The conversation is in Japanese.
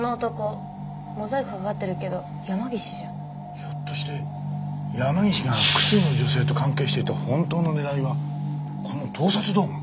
ひょっとして山岸が複数の女性と関係していた本当の狙いはこの盗撮動画？